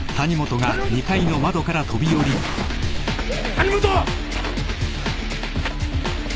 谷本！